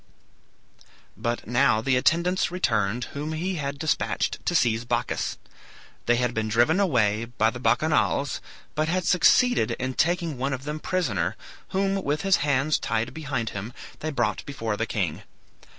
But now the attendants returned whom he had despatched to seize Bacchus. They had been driven away by the Bacchanals, but had succeeded in taking one of them prisoner, whom, with his hands tied behind him, they brought before the king.